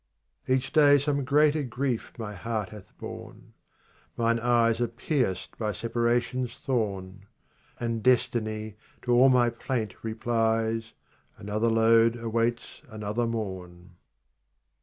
38 Each day some greater grief my heart hath borne ; Mine eyes are pierced by separation's thorn ; And Destiny to all my plaint replies, "Another load awaits another morn."